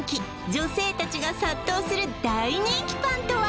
女性達が殺到する大人気パンとは！？